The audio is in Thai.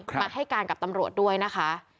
มาให้การกับตำรวจด้วยนะคะ